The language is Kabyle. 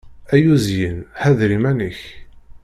Ay uzyin, ḥader iman-ik!